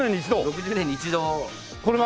６０年に一度が。